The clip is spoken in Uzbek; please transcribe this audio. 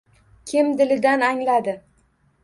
Kim dilidan angladi.